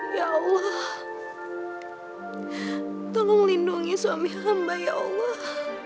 ya allah tolong lindungi suami hamba ya allah